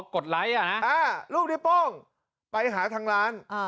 อ๋อกดไลค์อะนะอ่ารูปนิ้วโป้งไปหาทางร้าน